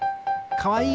かわいい！